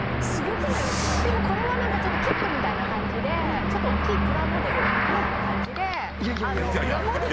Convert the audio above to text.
これはキットみたいな感じでちょっと大きいプラモデルみたいな感じで。